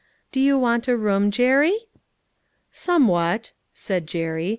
Do you want a room, Jerry ?"" Somewhat," said Jerry.